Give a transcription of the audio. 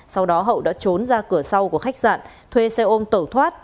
sau đó hậu đã trốn ra cửa sau của khách sạn thuê xe ôm tẩu thoát